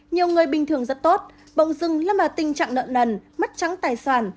nhiều người bình thường rất tốt bỗng dưng lâm vào tình trạng nợ nần mất trắng tài sản